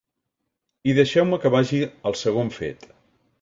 I deixeu-me que vagi al segon fet.